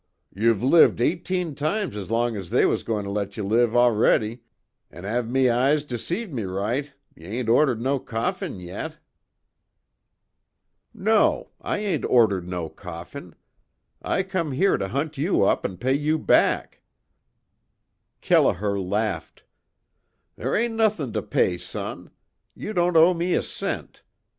Ye've lived eighteen toimes as long as they was going to let ye live a'ready an' av me eyes deceive me roight, ye ain't ordered no coffin yet." "No I ain't ordered no coffin. I come here to hunt you up an' pay you back." Kelliher laughed: "There ain't nothin' to pay son. You don't owe me a cent.